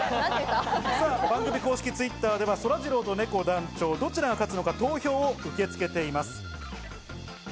番組公式Ｔｗｉｔｔｅｒでは、そらジローとねこ団長、どちらが勝つのか投票を受け付けています。